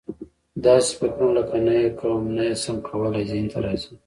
داسې فکرونه لکه: نه یې کوم یا نه یې شم کولای ذهن ته راځي.